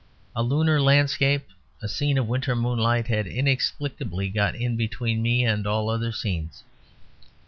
A lunar landscape a scene of winter moonlight had inexplicably got in between me and all other scenes.